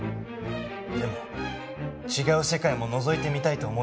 でも違う世界ものぞいてみたいと思いました。